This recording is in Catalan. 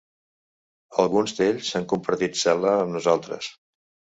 Alguns d’ells han compartit cel·la amb nosaltres.